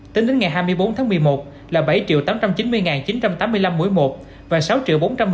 tính đến ngày hai mươi bốn tháng một mươi một là bảy tám trăm chín mươi chín trăm tám mươi năm mỗi một